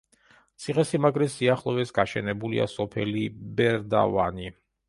ციხესიმაგრის სიახლოვეს გაშენებულია სოფელი ბერდავანი.